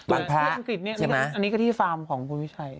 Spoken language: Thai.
บางพระใช่มั้ยนี่กระที่ฟาร์มของบุญวิชัย